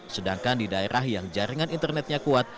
sedangkan di daerah yang jaringan internetnya kuat